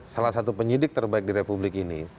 salah satu penyidik terbaik di republik ini